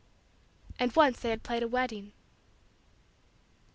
And once they had played a wedding.